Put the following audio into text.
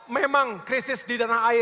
memang krisis di dana air tinggi